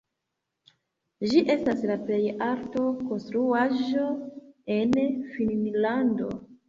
Ĝi estas la plej alta konstruaĵo en Finnlando.